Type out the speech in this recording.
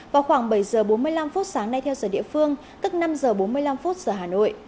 vào khoảng bảy giờ bốn mươi năm sáng nay theo giờ địa phương tức năm h bốn mươi năm phút giờ hà nội